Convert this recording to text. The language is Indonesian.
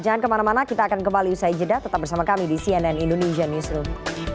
jangan kemana mana kita akan kembali usai jeda tetap bersama kami di cnn indonesian newsroom